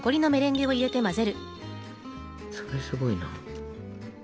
それはすごいな。